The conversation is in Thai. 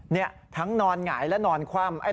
นี่ทั้งนอนหงายและนอนคว่ำ